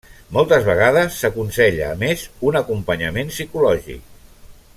Moltes vegades s'aconsella a més un acompanyament psicològic.